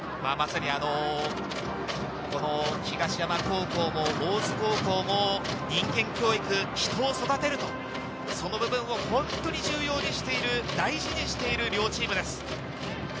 東山高校も大津高校も人間教育、人を育てる、その部分を本当に重要にしている、大事にしている両チームです。